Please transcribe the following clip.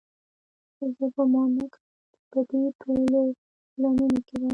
زه ګومان نه کوم چې په دې ټولو اعلانونو کې به.